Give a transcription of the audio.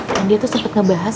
dan dia tuh sempet ngebahas